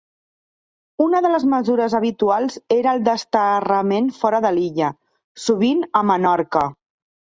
Una de les mesures habituals era el desterrament fora de l'illa, sovint a Menorca.